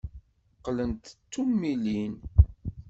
Qqlent d tummilin.